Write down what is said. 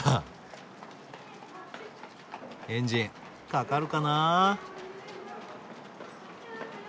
エンジンかかるかなあ。